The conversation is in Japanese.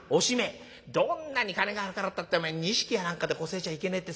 どんなに金があるからったって錦やなんかでこせえちゃいけねえってそう言ってたぞ。